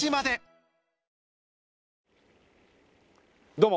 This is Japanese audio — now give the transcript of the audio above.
どうも。